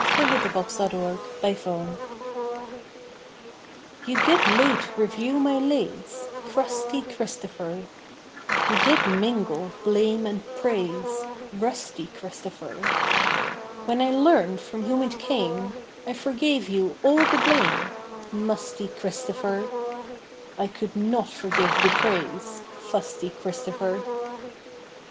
'] XXXVII =To Christopher North= You did late review my lays, Crusty Christopher; You did mingle blame and praise, Rusty Christopher. When I learnt from whom it came, I forgave you all the blame, Musty Christopher; I could not forgive the praise, Fusty Christopher.